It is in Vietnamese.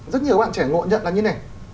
rất nhiều bạn trẻ ngộ nhận là như này